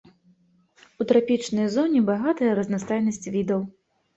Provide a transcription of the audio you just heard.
У трапічнай зоне багатая разнастайнасць відаў.